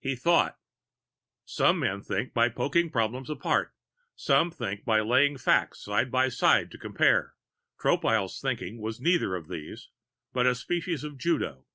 He thought. Some men think by poking problems apart; some think by laying facts side by side to compare. Tropile's thinking was neither of these, but a species of judo.